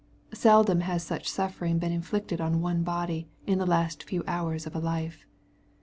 Seldom has such suffering been inflicted on one body in the last few hours of a life.